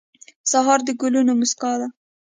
سهار د ګلونو موسکا ده.